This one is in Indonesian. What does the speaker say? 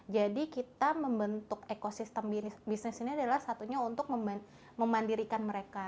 jadi kita membentuk ekosistem bisnis ini adalah satunya untuk memandirikan mereka